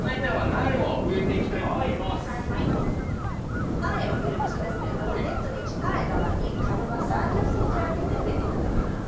苗を植える場所ですけれどもネットに近い側に株間３０ｃｍ空けて植えて頂きます。